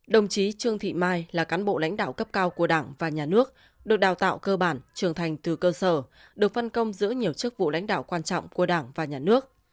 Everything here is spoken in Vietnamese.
đồng chí trương thị mai là cán bộ lãnh đạo cấp cao của đảng và nhà nước được đào tạo cơ bản trưởng thành từ cơ sở được phân công giữ nhiều chức vụ lãnh đạo quan trọng của đảng và nhà nước